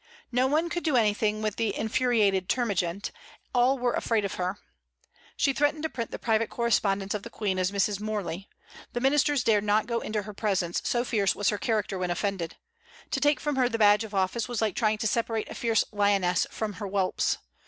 No one could do anything with the infuriated termagant, and all were afraid of her. She threatened to print the private correspondence of the Queen as Mrs. Morley. The ministers dared not go into her presence, so fierce was her character when offended. To take from her the badge of office was like trying to separate a fierce lioness from her whelps.